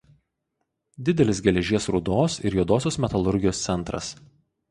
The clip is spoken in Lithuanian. Didelis geležies rūdos ir juodosios metalurgijos centras.